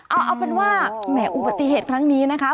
เอาเป็นว่าแหมอุบัติเหตุครั้งนี้นะคะ